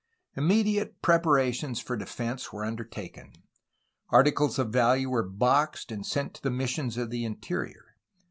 Immediate preparations for defence were undertaken. Articles of value were boxed, and sent to the missions of the interior.